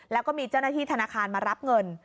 แล้วก็มีเจ้าหน้าที่ธนาคารมารับเงิน